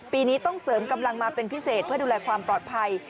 ปีนี้ต้องเสริมกำลังมาเป็นพิเศษเพื่อดูแลความปลอดภัย